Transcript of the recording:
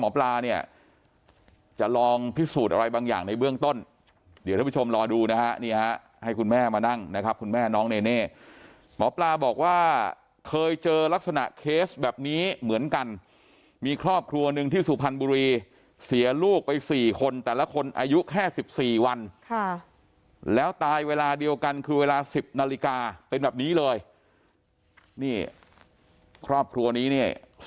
หมอปลาเนี่ยจะลองพิสูจน์อะไรบางอย่างในเบื้องต้นเดี๋ยวท่านผู้ชมรอดูนะฮะนี่ฮะให้คุณแม่มานั่งนะครับคุณแม่น้องเนเน่หมอปลาบอกว่าเคยเจอลักษณะเคสแบบนี้เหมือนกันมีครอบครัวหนึ่งที่สุพรรณบุรีเสียลูกไป๔คนแต่ละคนอายุแค่๑๔วันแล้วตายเวลาเดียวกันคือเวลา๑๐นาฬิกาเป็นแบบนี้เลยนี่ครอบครัวนี้เนี่ย